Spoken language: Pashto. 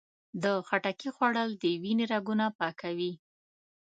د خټکي خوړل د وینې رګونه پاکوي.